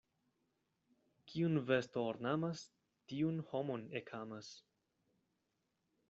Kiun vesto ornamas, tiun homoj ekamas.